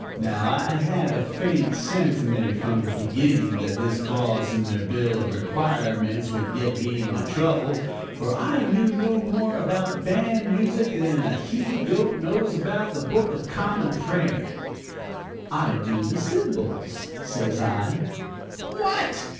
"Now, I had a faint sentiment from the beginning that this clause in their bill of requirements would get me into trouble, for I knew no more about band music than a he goat knows about the book of common prayer. "'I do the cymbals,' says I. "'What!'